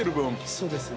◆そうですね。